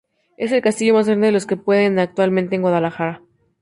Es el castillo más grande de los que quedan actualmente en Guadalajara.